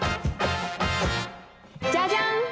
じゃじゃん！